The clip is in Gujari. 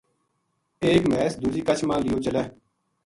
ایک مھیس دوجی کچھ ما لِیو چلے